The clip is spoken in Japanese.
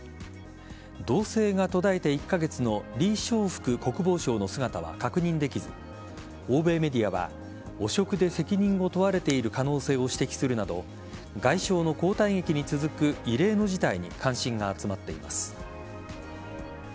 動静が途絶えて１カ月のリ・ショウフク国防相の姿は確認できず欧米メディアは汚職で責任を問われている可能性を指摘するなど外相の交代劇に続く異例の事態に関心が集まっています。